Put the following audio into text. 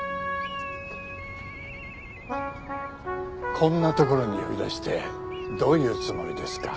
こんな所に呼び出してどういうつもりですか？